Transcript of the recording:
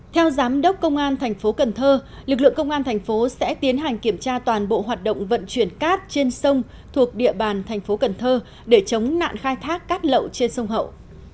theo giám đốc công an thành phố cần thơ lực lượng công an thành phố sẽ tiến hành kiểm tra toàn bộ hoạt động vận chuyển cát trên sông thuộc địa bàn thành phố cần thơ để chống nạn khai thác cát lậu trên sông hậu